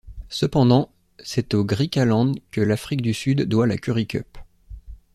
Cependant, c’est au Griqualand que l’Afrique du Sud doit la Currie Cup.